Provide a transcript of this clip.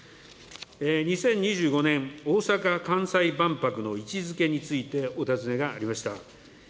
２０２５年、大阪・関西万博の位置づけについてお尋ねがありました。